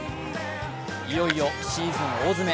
いよいよシーズンも大詰め。